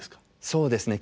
そうですね。